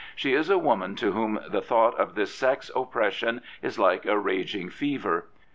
She is a woman to whom the thought of this sex oppression is like a raging fever.